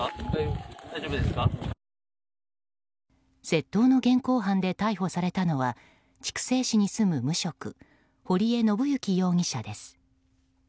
窃盗の現行犯で逮捕されたのは筑西市に住む無職堀江のぶゆき容疑者です。